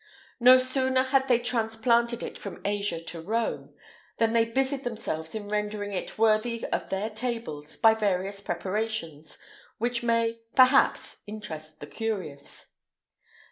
No sooner had they transplanted it from Asia into Rome,[IX 117] than they busied themselves in rendering it worthy of their tables by various preparations, which may, perhaps, interest the curious.